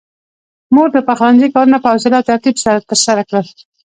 مور د پخلنځي کارونه په حوصله او ترتيب سره ترسره کړل.